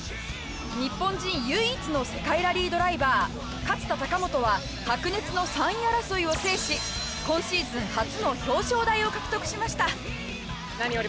日本人唯一の世界ラリードライバー勝田貴元は白熱の３位争いを制し今シーズン初の表彰台を獲得しました